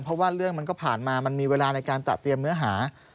เพราะว่าเรื่องมันก็ผ่านมามันมีเวลาในการเตรียมเนื้อหา